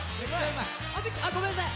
あごめんなさい！